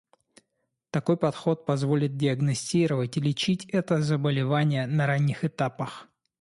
Такой подход позволит диагностировать и лечить это заболевание на ранних этапах.